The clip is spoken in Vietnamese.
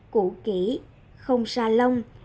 cũ kỹ không salon